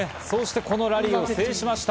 このラリーを制しました。